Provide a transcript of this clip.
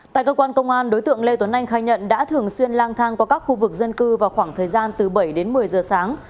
tại cơ quan công an đối tượng lê tuấn anh khai nhận đã thường xuyên lang thang qua các khu vực dân cư vào khoảng thời gian từ bảy đến một mươi giờ sáng